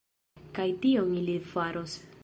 Kaj tion ili faros.